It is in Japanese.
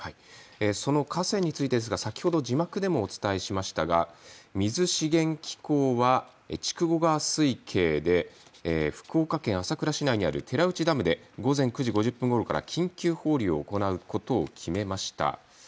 その河川についてですが先ほど字幕でもお伝えしましたが水資源機構は筑後川水系で福岡県朝倉市内にある寺内ダムで午前９時５０分ごろから緊急放流を行うことを決めました。